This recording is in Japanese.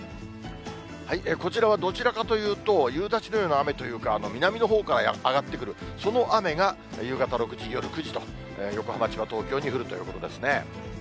こちらはどちらかというと、夕立のような雨というか、南のほうから上がってくる、その雨が、夕方６時、夜９時と、横浜、千葉、東京に降るという予報ですね。